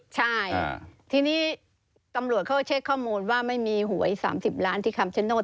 ใช่ทีนี้ตำรวจเขาเช็คข้อมูลว่าไม่มีหวย๓๐ล้านที่คำชโนธ